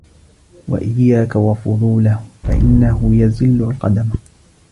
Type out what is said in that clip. وَإِيَّاكَ وَفُضُولَهُ فَإِنَّهُ يُزِلُّ الْقَدَمَ